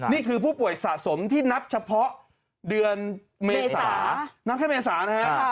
นี่คือผู้ป่วยสะสมที่นับเฉพาะเดือนเมษานับแค่เมษานะฮะ